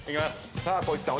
さあ光一さん